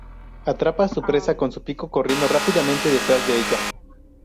Atrapa a su presa con su pico corriendo rápidamente detrás de ella.